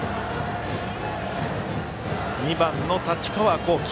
２番の太刀川幸輝。